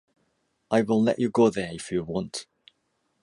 I will let you go there if you want.